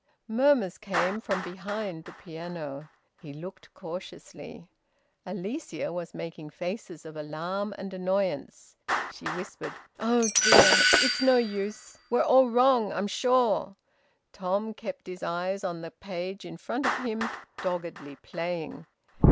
Murmurs came from behind the piano. He looked cautiously. Alicia was making faces of alarm and annoyance. She whispered: "Oh dear! ... It's no use! ... We're all wrong, I'm sure!" Tom kept his eyes on the page in front of him, doggedly playing.